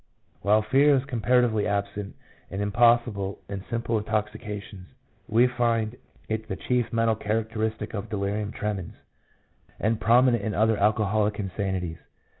While fear is comparatively absent and impossible in simple intoxications, we find it the chief mental EMOTIONS. 149 characteristic of delirium tremens, and prominent in other alcoholic insanities.